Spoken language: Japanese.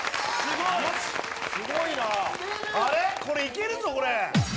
これいけるぞこれ！